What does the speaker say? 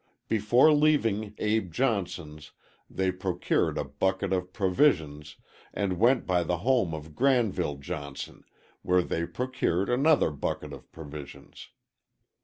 Before leaving Abe Johnson's they procured a bucket of provisions, and went by the home of Granville Johnson, where they procured another bucket of provisions.